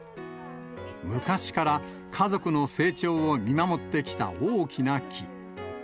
昔から家族の成長を見守ってきた大きな木。